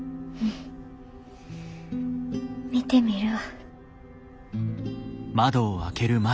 見てみるわ。